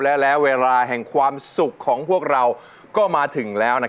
และแล้วเวลาแห่งความสุขของพวกเราก็มาถึงแล้ว